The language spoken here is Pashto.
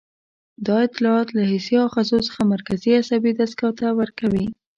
دا اطلاعات له حسي آخذو څخه مرکزي عصبي دستګاه ته ورکوي.